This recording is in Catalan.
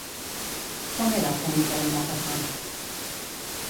Com era el camí per on va passar?